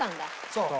そう。